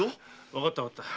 わかったわかった。